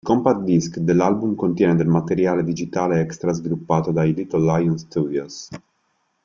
Il compact disc dell'album contiene del materiale digitale extra sviluppato dai Little Lion Studios.